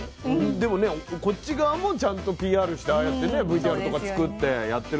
でもねこっち側もちゃんとＰＲしてああやってねＶＴＲとか作ってやってるんですね。